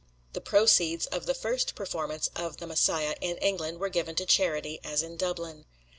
The proceeds of the first performance of the "Messiah" in England were given to charity, as in Dublin.